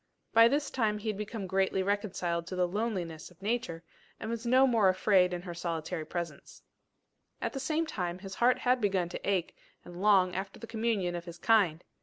By this time he had become greatly reconciled to the loneliness of Nature, and no more was afraid in her solitary presence. At the same time his heart had begun to ache and long after the communion of his kind.